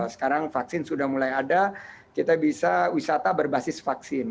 sekarang vaksin sudah mulai ada kita bisa wisata berbasis vaksin